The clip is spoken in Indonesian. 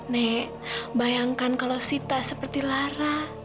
nek bayangkan kalau sita seperti lara